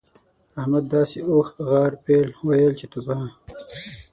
احمد داسې اوښ، غر، پيل؛ ويل چې توبه!